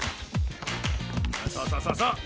そうそうそうそうそう！